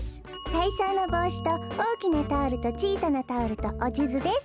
たいそうのぼうしとおおきなタオルとちいさなタオルとおじゅずです。